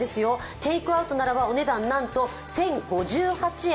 テイクアウトならばお値段なんと１０５８円。